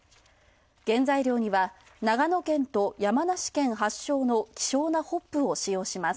原材料には長野県と山梨県発祥の希少なホップを使用します。